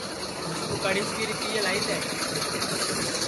مِسکُو کڑھیس بھی رِپئے لائی دؔے